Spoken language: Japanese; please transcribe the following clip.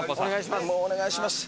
お願いします。